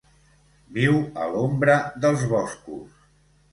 Viu a l'ombra dels boscos.